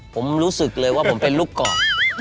ผมรู้สึกเลยว่าผมเป็นลูกกรอก